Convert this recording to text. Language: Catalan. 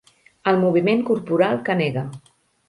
El moviment corporal que nega.